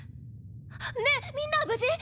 ねぇみんなは無事？